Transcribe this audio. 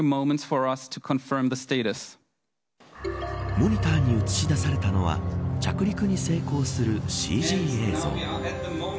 モニターに映し出されたのは着陸に成功するＣＧ映像。